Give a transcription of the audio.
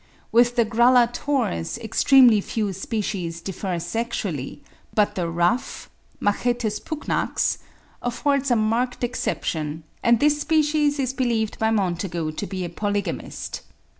With the Grallatores, extremely few species differ sexually, but the ruff (Machetes pugnax) affords a marked exception, and this species is believed by Montagu to be a polygamist.